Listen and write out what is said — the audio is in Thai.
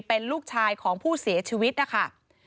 เป็นลูกชายของผู้เสียชีวิตนะคะ